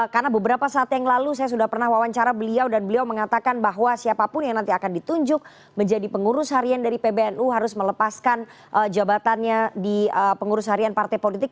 karena beberapa saat yang lalu saya sudah pernah wawancara beliau dan beliau mengatakan bahwa siapapun yang nanti akan ditunjuk menjadi pengurus harian dari pbnu harus melepaskan jabatannya di pengurus harian partai politik